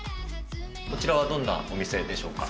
こちらはどんなお店でしょうか。